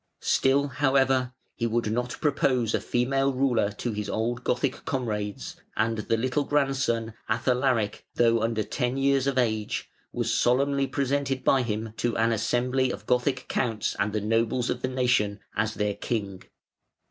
Still, however, he would not propose a female ruler to his old Gothic comrades; and the little grandson, Athalaric, though under ten years of age, was solemnly presented by him to an assembly of Gothic counts and the nobles of the nation as their king.